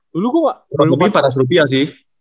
kurang lebih empat ratus rupiah sih